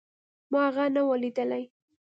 ما هغه نه و ليدلى.